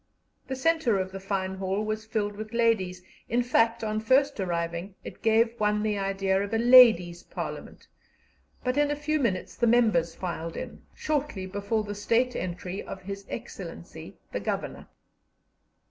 The centre of the fine hall was filled with ladies in fact, on first arriving, it gave one the idea of a ladies' parliament; but in a few minutes the members filed in, shortly before the state entry of His Excellency the Governor.